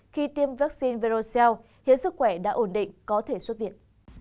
khi tiêm vaccine verocell hiến sức khỏe đã ổn định có thể xuất viện